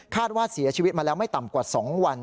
ว่าเสียชีวิตมาแล้วไม่ต่ำกว่า๒วัน